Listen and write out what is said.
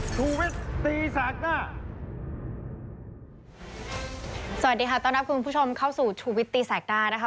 สวัสดีค่ะต้อนรับคุณผู้ชมเข้าสู่ชูวิตตีแสกหน้านะคะ